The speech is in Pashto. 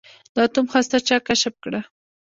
د اتوم هسته چا کشف کړه.